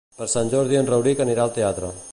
Per Sant Jordi en Rauric anirà al teatre.